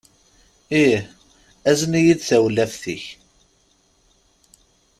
Ih. Azen-iyi-d tawlaft-ik.